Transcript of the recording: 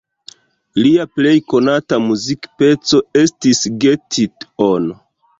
Lia plej konata muzikpeco estis "Get It On".